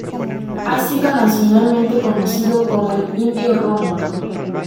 Ha sido nacionalmente conocido como El indio Rómulo.